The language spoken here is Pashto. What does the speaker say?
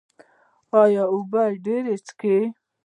ایا اوبه به ډیرې څښئ؟